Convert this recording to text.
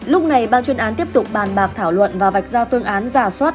lúc này ban chuyên án tiếp tục bàn bạc thảo luận và vạch ra phương án giả soát